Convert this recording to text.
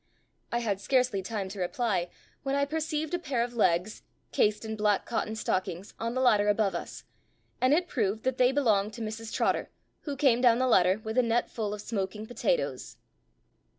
I had scarcely time to reply, when I perceived a pair of legs, cased in black cotton stockings, on the ladder above us, and it proved that they belonged to Mrs Trotter, who came down the ladder with a net full of smoking potatoes.